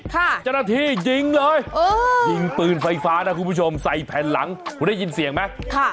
เจ้าหน้าที่ยิงเลยยิงปืนไฟฟ้านะคุณผู้ชมใส่แผ่นหลังคุณได้ยินเสียงไหม